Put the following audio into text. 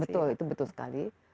betul itu betul sekali